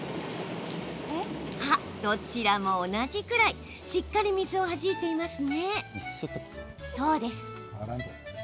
あ、どちらも同じくらいしっかり水をはじいています。